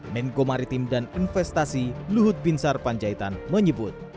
menko maritim dan investasi luhut binsar panjaitan menyebut